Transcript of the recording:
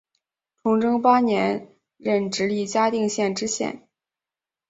崇祯八年任直隶嘉定县知县。